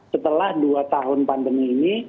setelah dua tahun pandemi ini